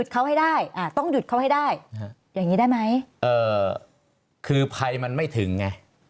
คือภัยมันไม่ถึงไง